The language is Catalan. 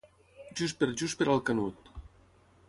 Just per just per al canut.